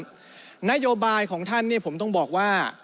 แต่นโนโลยีของท่านเนี่ยผมต้องบอกว่า